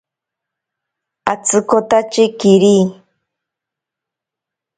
Atsikotache kiri.